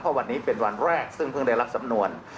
วันนี้เป็นวันแรกซึ่งเพิ่งได้รับสำนวน